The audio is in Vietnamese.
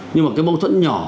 nhưng mà cái mâu thuẫn nhỏ